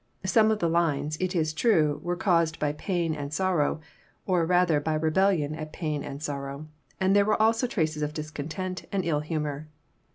Some of the lines, it is true, were caused by pain and sorrow, or rather by rebellion at pain and sor row, and there were also traces of discontent and ill humor.